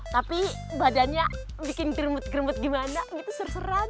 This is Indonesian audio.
tapi badannya bikin gerbet gerbet gimana gitu ser seran